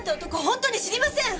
本当に知りません！